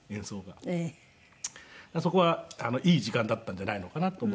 そこはいい時間だったんじゃないのかなと思いますし。